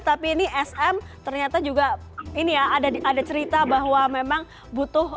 tapi ini sm ternyata juga ini ya ada cerita bahwa memang butuh